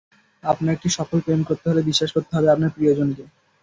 আপনার একটি সফল প্রেম করতে হলে, বিশ্বাস করতে হবে আপনার প্রিয়জনকে।